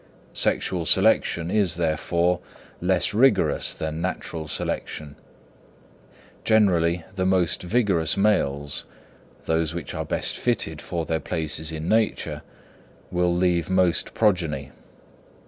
Sexual selection is, therefore, less rigorous than natural selection. Generally, the most vigorous males, those which are best fitted for their places in nature, will leave most progeny.